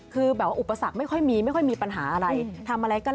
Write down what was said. คือแบบว่าอุปสรรคไม่ค่อยมีปัญหาอะไร